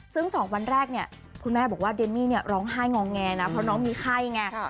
ซึ่ง๒วันแรกเนี่ยคุณแม่บอกว่าเดมมี่เนี่ยร้องไห้งอแงนะเพราะน้องมีไข้ไง